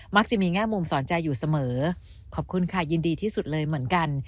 จะมีแง่มุมสอนใจอยู่เสมอขอบคุณค่ะยินดีที่สุดเลยเหมือนกัน